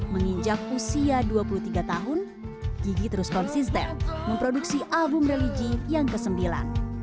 menginjak usia dua puluh tiga tahun gigi terus konsisten memproduksi album religi yang ke sembilan